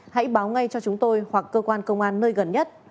hãy báo ngay cho chúng tôi hoặc cơ quan công an nơi gần nhất